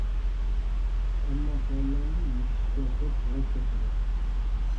ئەمما سوئاللارنى يېشىشكە كۆپ ھەرەج كەتمىدى.